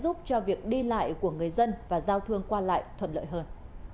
điều này sẽ giúp cho việc đi lại của người dân và giao thương qua lại thuận lợi hơn